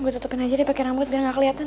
gua tutupin aja deh pake rambut biar ga keliatan